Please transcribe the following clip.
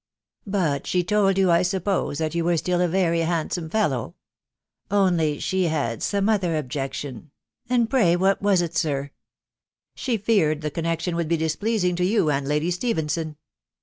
" But she told yon I suppose shat you .wese stall .a wry handsome fellow. ... Only she had some other ebjoctian, ■ and pray, what was it, air?" " She feared the coamectiau would be dsmlesaing to you and Lady Stephenson."